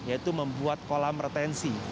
yaitu membuat kolam retensi